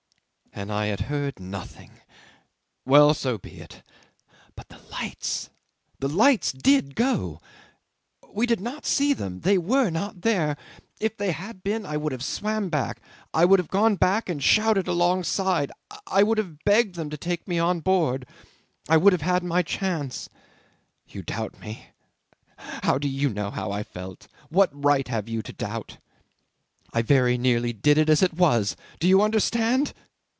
'"And I had heard nothing! Well so be it. But the lights! The lights did go! We did not see them. They were not there. If they had been, I would have swam back I would have gone back and shouted alongside I would have begged them to take me on board. ... I would have had my chance. ... You doubt me? ... How do you know how I felt? ... What right have you to doubt? ... I very nearly did it as it was do you understand?"